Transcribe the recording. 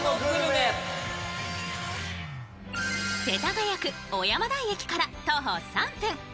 世田谷区・尾山台駅前から徒歩３分。